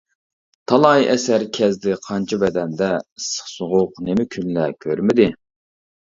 تالاي ئەسىر كەزدى قانچە بەدەندە، ئىسسىق-سوغۇق نېمە كۈنلەر كۆرمىدى.